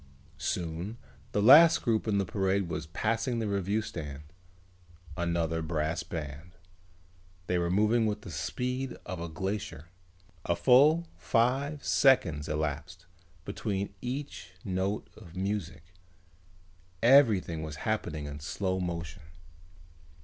Soon the last group in the parade was passing the reviewing stand. Another brass band. They were moving with the speed of a glacier. A full five seconds elapsed between each note of music. Everything was happening in slow motion.